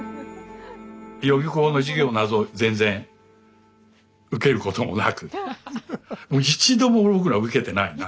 予備校の授業など全然受けることもなくもう一度も僕らは受けてないな。